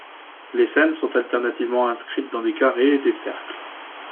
Les scènes sont alternativement inscrites dans des carrés et des cercles.